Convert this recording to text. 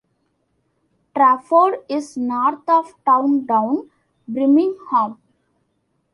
Trafford is north of downtown Birmingham.